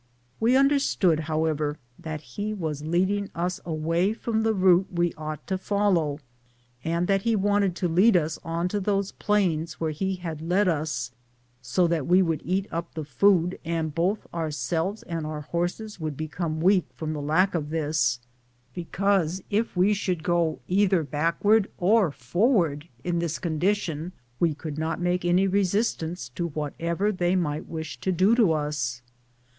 We understood, however, that he was leading us away from the route we ought to follow and that he wanted to lead us on to those plains where he had led us, so that we would eat up the food, and both ourselves and our horses would become weak from the lack of this, because if we should go either backward or forward in this condi tion we could not make any resistance to whatever they might wish to do to us.